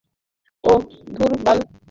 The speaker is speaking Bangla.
ওহ, ধুর বাল!